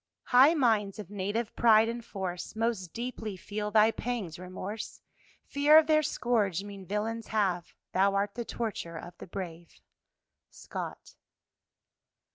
"High minds of native pride and force Most deeply feel thy pangs, remorse! Fear of their scourge mean villains have; Thou art the torture of the brave." Scott.